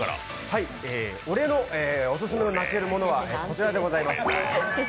俺のオススメの泣けるものはこちらでございます。